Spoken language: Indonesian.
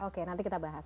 oke nanti kita bahas